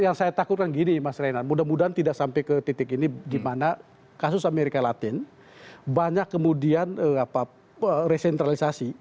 gini mas renan mudah mudahan tidak sampai ke titik ini di mana kasus amerika latin banyak kemudian resentralisasi